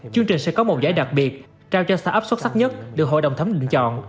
chương trình sẽ có một giải đặc biệt trao cho startup xuất sắc nhất được hội đồng thấm định chọn